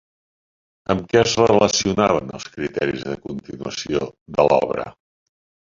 Amb què es relacionaven els criteris de continuació de l'obra?